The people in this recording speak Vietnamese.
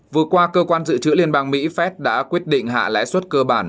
vừa qua cơ quan dự trữ liên bang mỹ phép đã quyết định hạ lãi suất cơ bản